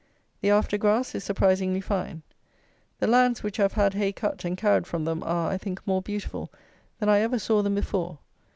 The after grass is surprisingly fine. The lands which have had hay cut and carried from them are, I think, more beautiful than I ever saw them before.